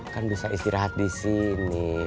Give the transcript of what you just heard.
kan bisa istirahat disini